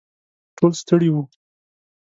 ټول ستړي وو.